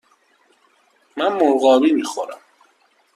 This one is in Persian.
من مرغابی می خورم.